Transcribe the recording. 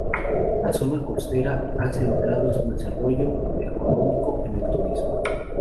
La zona costera ha centrado su desarrollo económico en el turismo.